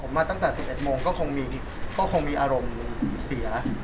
ผมมาตั้งแต่๑๑โมงก็คงมีอารมณ์เสีย